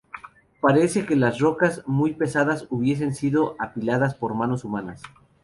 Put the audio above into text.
Parece que las rocas muy pesadas hubiesen sido apiladas por manos humanas.